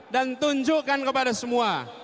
dan tunjukkan kepada semua